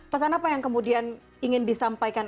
pesan apa yang kemudian ingin disampaikan